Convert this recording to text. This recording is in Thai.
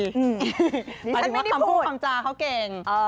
นี่ฉันไม่ได้พูดหมายถึงว่าคำพูความจาเขาเก่ง